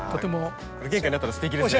これ玄関にあったらすてきですね。